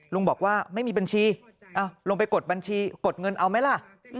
ลุงบอกว่าไม่มีบัญชีลงไปกดบัญชีกดเงินเอาไหมล่ะ